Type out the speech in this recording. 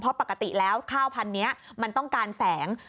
เพราะปกติแล้วข้าวพันธุ์นี้มันต้องการแสง